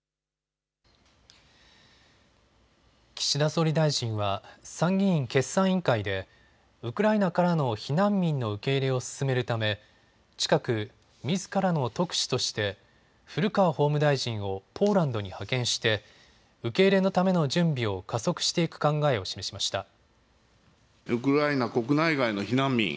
岸田総理大臣は参議院決算委員会でウクライナからの避難民の受け入れを進めるため近く、みずからの特使として古川法務大臣をポーランドに派遣して受け入れのための準備を加速していく考えを示しました。